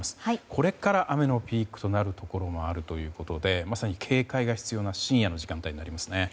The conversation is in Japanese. これから雨のピークとなるところもあるということでまさに警戒が必要な深夜の時間帯になりますね。